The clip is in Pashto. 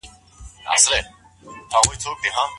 مبارک احاديث د صبر په اړه څه لارښوونه کوي؟